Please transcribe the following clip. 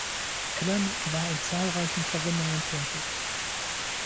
Allen war in zahlreichen Verwendungen tätig.